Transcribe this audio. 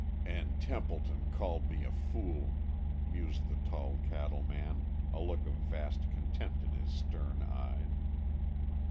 "And Templeton called me a fool!" mused the tall cattle man, a look of vast contempt in his stern eyes.